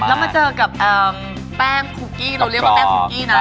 แล้วมาเจอกับแป้งคุกกี้เราเรียกว่าแป้งคุกกี้นะ